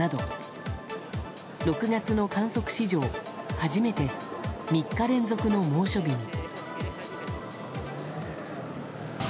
６月の観測史上初めて３日連続の猛暑日に。